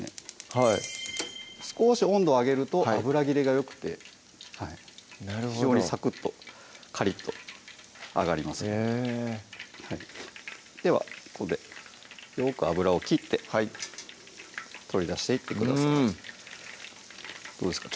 はい少し温度を上げると油ぎれがよくて非常にサクッとカリッと揚がりますへぇではここでよく油を切って取り出していってくださいどうですか？